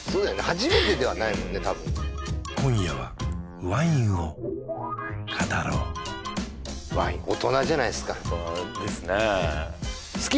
初めてではないもんねたぶん今夜はワインを語ろうワイン大人じゃないですか大人ですね好き？